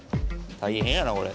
大変やなこれ。